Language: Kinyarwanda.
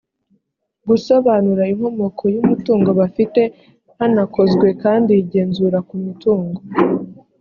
gusobanura inkomoko y umutungo bafite hanakozwe kandi igenzura ku mitungo